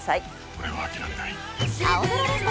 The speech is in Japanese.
俺は諦めない。